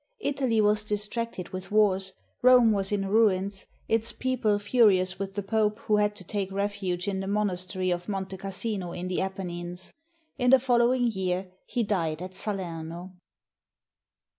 Italy was distracted with wars, Rome was in ruins, its people furious with the Pope, who had to take refuge in the monastery of Monte Cassino in the Apennines. In the following year he died at Salerno.